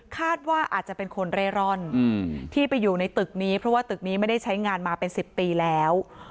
คาดว่าอาจจะเป็นคนเร่ร่อนที่ไปอยู่ในตึกนี้เพราะว่าตึกนี้ไม่ได้ใช้งานมาเป็น๑๐ปีแล้ว